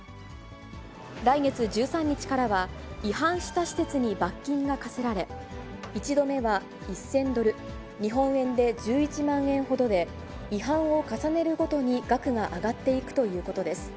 来月１３日からは、違反した施設に罰金が科せられ、１度目は１０００ドル、日本円で１１万円ほどで、違反を重ねるごとに額が上がっていくということです。